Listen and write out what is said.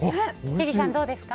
千里さん、どうですか？